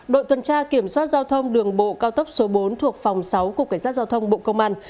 đội tuần tra kiểm soát giao thông đường bộ cao tốc số bốn thuộc phòng sáu của cảnh sát giao thông bộ công an